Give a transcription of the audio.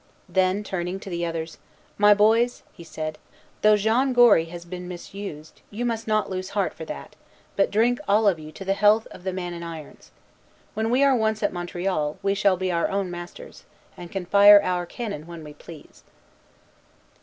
Then, turning to the others: "My boys," he said, "though Jean Gory has been misused, you must not lose heart for that, but drink, all of you, to the health of the man in irons. When we are once at Montreal, we shall be our own masters, and can fire our cannon when we please."